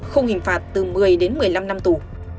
không hình phạt từ một mươi đến một mươi năm năm tù